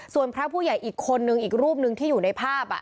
ส่วนพระผู้ใหญ่อีกคนนึงอีกรูปนึงที่อยู่ในภาพ